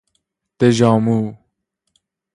دژآمو